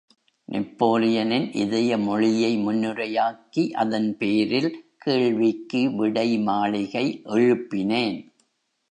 நெப்போலியனின் இதய மொழியை முன்னுரையாக்கி, அதன் பேரில், கேள்விக்கு விடைமாளிகை எழுப்பினேன்.